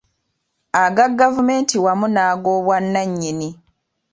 Aga gavumenti wamu n’agobwannannyini.